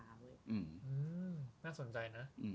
น่าสนใจนะ